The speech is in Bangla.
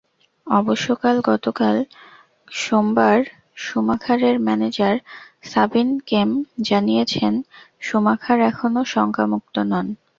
অবশ্য গতকাল সোমবার শুমাখারের ম্যানেজার সাবিন কেম জানিয়েছেন, শুমাখার এখনো শঙ্কামুক্ত নন।